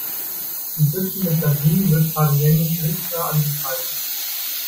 Die Büchsen mit Sardinen wird Fabienne Schnitzler an sich reißen.